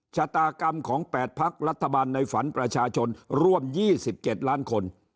ชะตากรรมของ๘พักรัฐบาลในฝันประชาชนร่วม๒๗ล้านคน